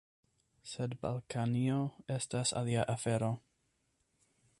Sed Balkanio estas alia afero.